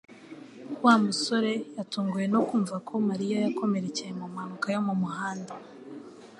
Wa musore yatunguwe no kumva ko Mariya yakomerekeye mu mpanuka yo mu muhanda